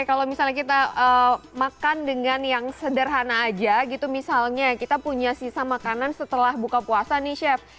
kalau misalnya kita makan dengan yang sederhana aja gitu misalnya kita punya sisa makanan setelah buka puasa nih chef